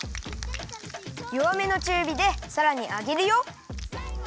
よわめのちゅうびでさらにあげるよ。